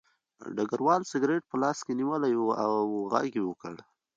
ډګروال سګرټ په لاس کې نیولی و او غږ یې وکړ